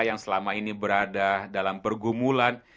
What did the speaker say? yang selama ini berada dalam pergumulan